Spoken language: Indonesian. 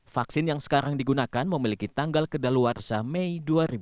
vaksin yang sekarang digunakan memiliki tanggal kedaluarsa mei dua ribu dua puluh